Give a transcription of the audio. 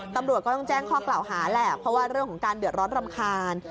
ตำรวจก็ต้องแจ้งข้อกล่าวหาแหละเพราะว่าเรื่องของการเดือดร้อนรำคาญ